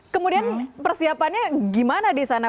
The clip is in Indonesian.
kemudian persiapannya gimana di sana